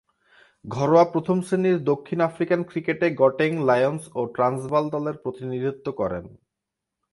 ঘরোয়া প্রথম-শ্রেণীর দক্ষিণ আফ্রিকান ক্রিকেটে গটেং, লায়ন্স ও ট্রান্সভাল দলের প্রতিনিধিত্ব করেন।